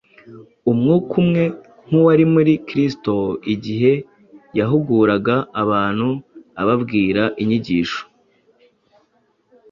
Umwuka umwe nk’uwari muri Kristo igihe yahuguraga abantu ababwira inyigisho.